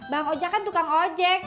bang oja kan tukang ojek